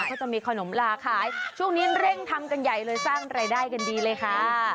เขาจะมีขนมลาขายช่วงนี้เร่งทำกันใหญ่เลยสร้างรายได้กันดีเลยค่ะ